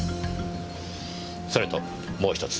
それともう１つ。